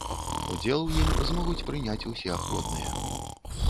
Удзел у ім змогуць прыняць усе ахвотныя.